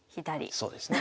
そうですね。